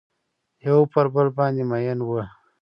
یو پر بل باندې میین وه